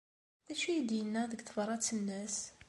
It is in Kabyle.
D acu ay d-yenna deg tebṛat-nnes?